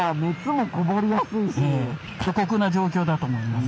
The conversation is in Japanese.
過酷な状況だと思います。